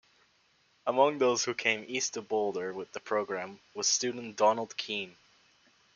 Among those who came east to Boulder with the program was student Donald Keene.